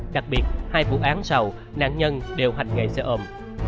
đặc biệt hai vụ án sau nạn nhân đều hành nghề xe ôm